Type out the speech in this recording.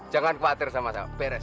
jangan khawatir sama sama beres